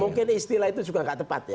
mungkin istilah itu juga gak tepat ya